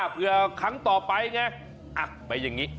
เพื่อครั้งต่อไปไงไปอย่างนี้